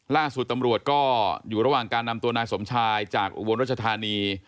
ล่าสุดตำรวจก็อยู่ระหว่างการนำตัวนายสมชายจากอุบลรัชธานี